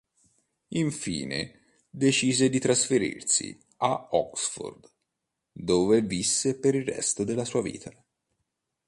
Infine, decise di trasferirsi a Oxford, dove visse per il resto della sua vita.